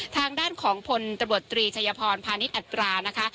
ทางด้านของผลตระบวนตรีชายพรภานิดอัตรานะคะ